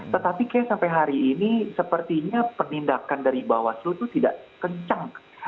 tetapi kayak sampai hari ini sepertinya penindakan dari bawah aslu itu tidak kencang